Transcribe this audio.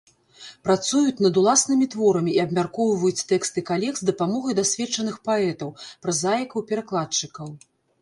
Працуюць над ўласнымі творамі і абмяркоўваюць тэксты калег з дапамогай дасведчаных паэтаў, празаікаў, перакладчыкаў.